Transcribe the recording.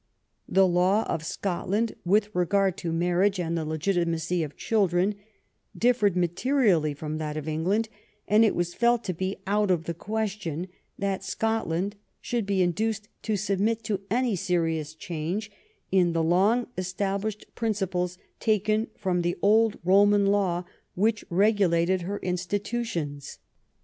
The law of Scotland, with re gard to marriage and the legitimacy of children, dif fered materially from that of England, and it was felt to be out of the question that Scotland could be induced to submit to any serious change in the long^stablished principles taken from the old Boman law which regu lated her institutions.